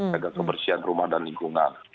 jaga kebersihan rumah dan lingkungan